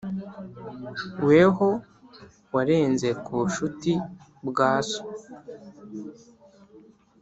weho warenze kubushuti bwa so